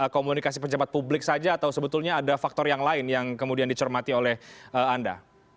komunikasi pejabat publik saja atau sebetulnya ada faktor yang lain yang kemudian dicermati oleh anda